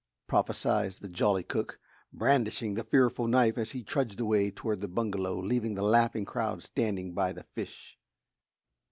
prophesied the jolly cook, brandishing the fearful knife as he trudged away toward the bungalow, leaving the laughing crowd standing by the fish.